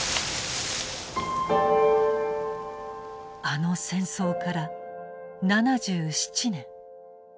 あの戦争から７７年。